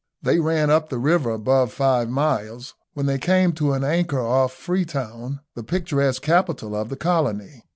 They ran up the river above five miles, when they came to an anchor off Freetown, the picturesque capital of the colony.